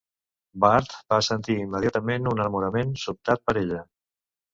Bart va sentir immediatament un enamorament sobtat per ella.